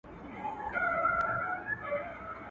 يو وار نوک، بيا سوک.